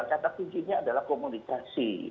kata kuncinya adalah komunikasi